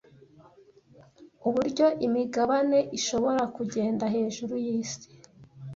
uburyo imigabane ishobora kugenda hejuru yisi